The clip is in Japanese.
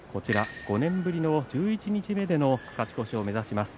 ５年ぶりの十一日目での勝ち越しを目指します。